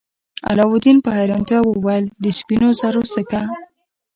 علاوالدین په حیرانتیا وویل د سپینو زرو سکه.